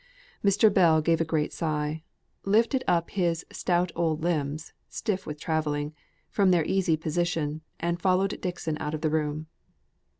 Mr. Bell gave a great sigh; lifted up his stout old limbs (stiff with travelling) from their easy position, and followed Dixon out of the room.